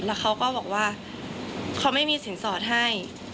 แล้วเขาก็บอกว่าเขาไม่มีสินสอดให้